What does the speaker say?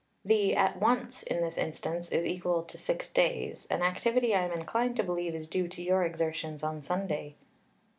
The 'at once' in this instance is equal to six days an activity I am inclined to believe is due to your exertions on Sunday."